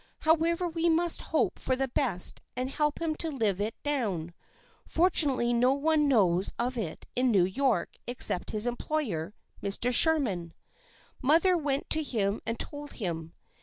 However we must hope for the best, and help him to live it down. Fortunately no one knows of it in New York except his employer, Mr. Sherman. Mother went to him and told him.